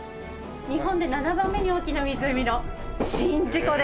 日本で７番目に大きな湖の宍道湖でございます。